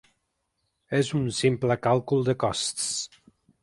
És un simple càlcul de costs.